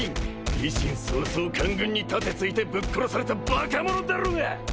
維新早々官軍に盾突いてぶっ殺されたバカ者だろが！